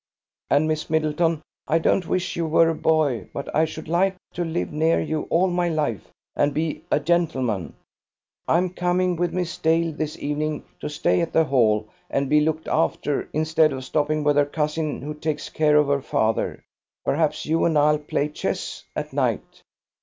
"And, Miss Middleton, I don't wish you were a boy, but I should like to live near you all my life and be a gentleman. I'm coming with Miss Dale this evening to stay at the Hall and be looked after, instead of stopping with her cousin who takes care of her father. Perhaps you and I'll play chess at night."